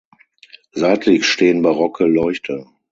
Seitlich stehen barocke Leuchter.